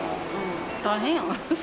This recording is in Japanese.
大変やん。